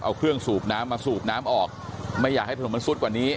เอาเครื่องสูบน้ำมาสูบน้ำออกไม่อยากให้ถนนมันซุดกว่านี้